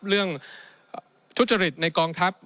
เรื่องทุจริตในกองทัพ